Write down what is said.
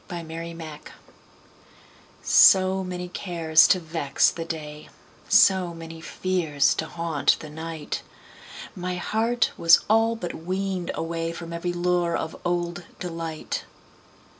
1922. Summer Magic SO many cares to vex the day, So many fears to haunt the night, My heart was all but weaned awayFrom every lure of old delight.